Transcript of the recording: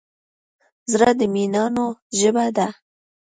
زړه د مینانو ژبه ده.